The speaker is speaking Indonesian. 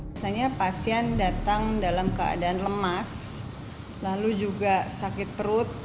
biasanya pasien datang dalam keadaan lemas lalu juga sakit perut